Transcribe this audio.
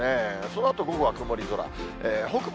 そのあと午後は曇り空。